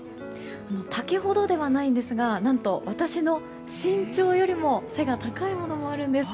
竹ほどではないんですが何と、私の身長よりも背が高いものもあるんです。